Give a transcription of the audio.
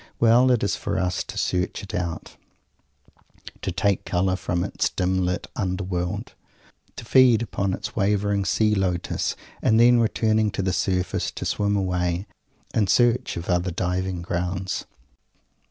Well! It is for us to search it out; to take colour from its dim lit under world; to feed upon its wavering Sea Lotus and then, returning to the surface, to swim away, in search of other diving grounds!